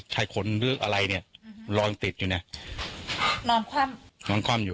ใช้ขนหรืออะไรเนี่ยลอยติดอยู่เนี่ยนอนคว่ำนอนคว่ำอยู่